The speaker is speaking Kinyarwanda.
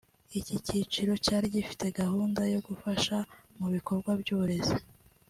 Iki cyiciro cyari gifite gahunda yo gufasha mu bikorwa by’uburezi